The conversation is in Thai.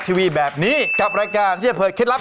สวัสดีค่ะขอบคุณครับสวัสดีค่ะขอบคุณครับ